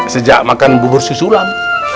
sejak makan bubur susulam